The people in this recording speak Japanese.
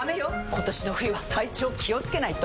今年の冬は体調気をつけないと！